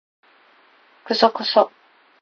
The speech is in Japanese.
クソクソ